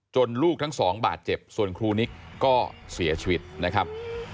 ลูกทั้งสองบาดเจ็บส่วนครูนิกก็เสียชีวิตนะครับ